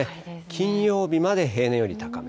金曜日まで平年より高め。